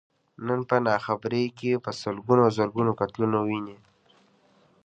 نن په ناخبرۍ کې په سلګونو او زرګونو قتلونه ويني.